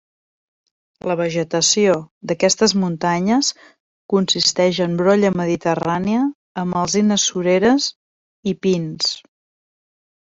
La vegetació d'aquestes muntanyes consisteix en brolla mediterrània, amb alzines sureres i pins.